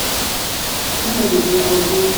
Où l'avez-vous connu ?